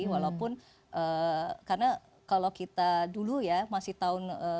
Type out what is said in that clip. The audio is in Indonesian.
walaupun karena kalau kita dulu ya masih tahun